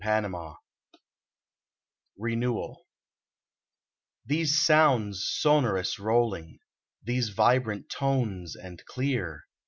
124 T RENEWAL ^HESE sounds sonorous rolling ! These vibrant tones and clear